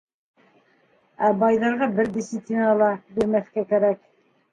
Ә байҙарға бер десятина ла бирмәҫкә кәрәк.